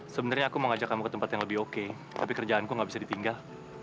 sebenarnya aku mau ajak kamu ke tempat yang lebih oke tapi kerjaanku gak bisa ditinggal